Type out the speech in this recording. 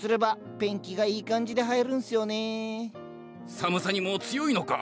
寒さにも強いのか？